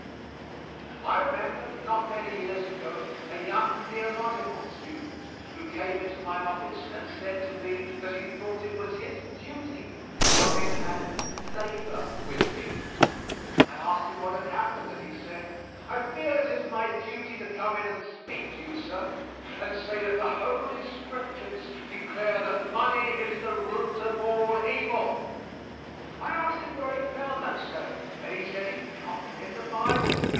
I remember, not many years ago a young theological student who came into my office and said to me that he thought it was his duty to come in and "labor with me." I asked him what had happened, and he said: "I feel it is my duty to come in and speak to you, sir, and say that the Holy Scriptures declare that money is the root of all evil." I asked him where he found that saying, and he said he found it in the Bible.